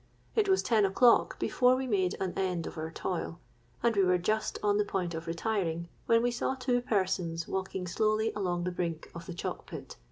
It was ten o'clock before we made an end of our toil; and we were just on the point of retiring, when we saw two persons walking slowly along the brink of the chalk pit.